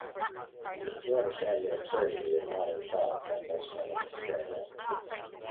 To understand the absurdity of modern thought, one must run an experiment